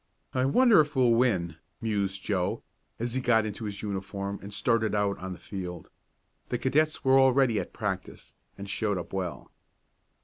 "I wonder if we'll win?" mused Joe, as he got into his uniform and started out on the field. The cadets were already at practice, and showed up well.